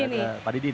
lihat ke pak didi